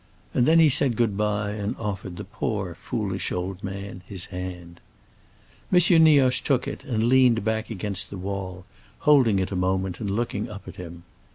And then he said good bye, and offered the poor, foolish old man his hand. M. Nioche took it and leaned back against the wall, holding it a moment and looking up at him.